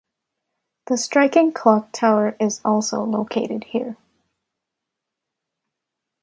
The striking clock tower is also located here.